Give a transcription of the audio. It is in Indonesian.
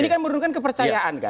ini kan merugikan kepercayaan kan